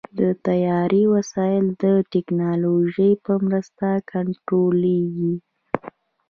د طیارې وسایل د ټیکنالوژۍ په مرسته کنټرولېږي.